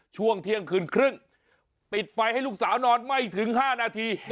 ช่วงเที่ยงคืนครึ่งปิดไฟให้ลูกสาวนอนไม่ถึง๕นาที